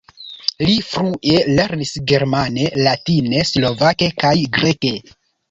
Li frue lernis germane, latine, slovake kaj greke.